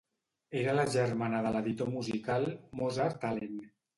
Era la germana de l'editor musical Mozart Allen.